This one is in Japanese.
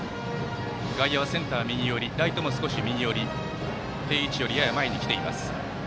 外野、センターとライトが右寄り定位置よりやや前に来ています。